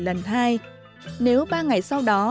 lần hai nếu ba ngày sau đó